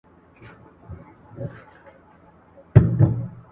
« بېنوا » یې له اورغوي کښلی فال وي